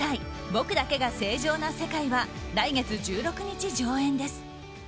「僕だけが正常な世界」は来月１６日上演です。